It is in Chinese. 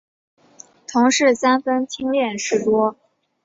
同事三分亲恋事多。